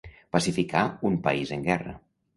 Pacificar un país en guerra.